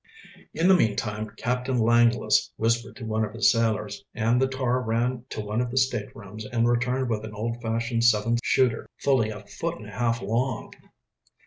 In the meantime Captain Langless whispered to one of his sailors, and the tar ran to one of the staterooms and returned with an old fashioned seven shooter, fully a foot and a half long.